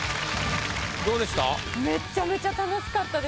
どうでした？